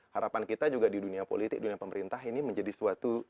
harapan kita juga di dunia politik dunia pemerintah ini menjadi suatu